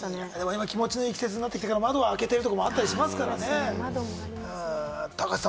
今、気持ちのいい季節になってきて窓を開けてるとかもありますからね。